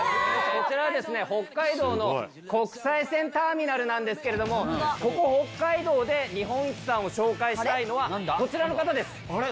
こちらはですね北海道の国際線ターミナルなんですけれどもここ北海道で日本一さんを紹介したいのはこちらの方です！